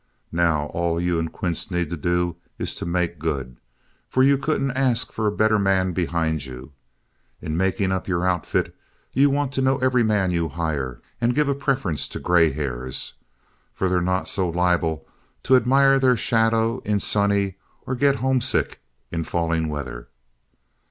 Now, all you and Quince need to do is to make good, for you couldn't ask for a better man behind you. In making up your outfit, you want to know every man you hire, and give a preference to gray hairs, for they're not so liable to admire their shadow in sunny or get homesick in falling weather.